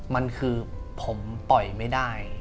มันคือผมปล่อยไม่ได้